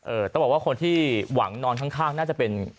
ต้องบอกว่าคนที่หวังนอนข้างน่าจะเป็น